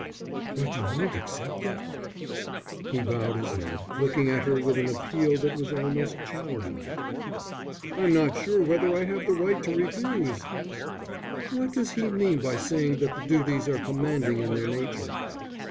"But you won't accept it?" He bowed his head, looking at her with an appeal that was almost childlike. "I'm not sure whether I have the right to refuse." "What does he mean by saying that the duties are commanding in their nature?"